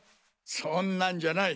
そんなんじゃない。